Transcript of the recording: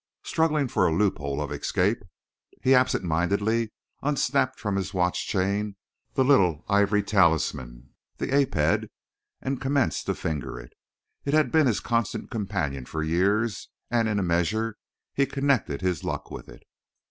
Struggling for a loophole of escape, he absentmindedly unsnapped from his watch chain the little ivory talisman, the ape head, and commenced to finger it. It had been his constant companion for years and in a measure he connected his luck with it.